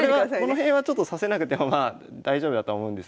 この辺はちょっと指せなくてもまあ大丈夫だとは思うんですけど。